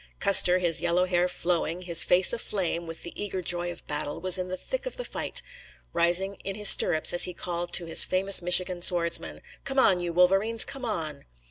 Custer, his yellow hair flowing, his face aflame with the eager joy of battle, was in the thick of the fight, rising in his stirrups as he called to his famous Michigan swordsmen: "Come on, you Wolverines, come on!"